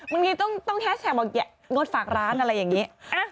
มันก็ต้องแชชแชกบอกไม่โน้นฝากร้านอะไรอย่างนี้